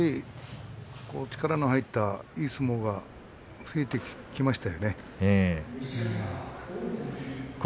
力の入ったいい相撲が増えてきましたよね。